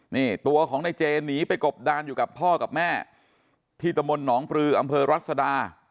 นี่ตัวของในเจหนีไปกบดานอยู่กับพ่อกับแม่ที่ตะมนต์หนองปลืออำเภอรัศดา